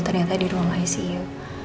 ternyata di ruang icu